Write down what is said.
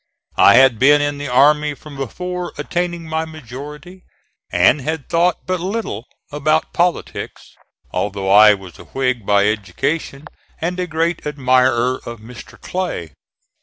I had been in the army from before attaining my majority and had thought but little about politics, although I was a Whig by education and a great admirer of Mr. Clay.